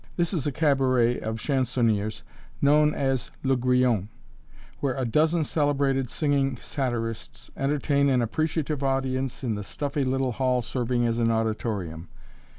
This is a cabaret of chansonniers known as "Le Grillon," where a dozen celebrated singing satirists entertain an appreciative audience in the stuffy little hall serving as an auditorium.